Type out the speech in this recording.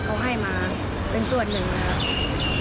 เขาให้มาเป็นส่วนหนึ่งนะครับ